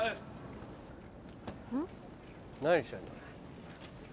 何してんだ。